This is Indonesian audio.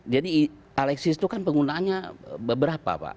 jadi alexis itu kan penggunaannya beberapa pak